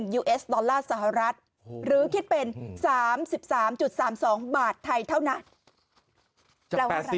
ยูเอสดอลลาร์สหรัฐหรือคิดเป็น๓๓๒บาทไทยเท่านั้นแปลว่าอะไร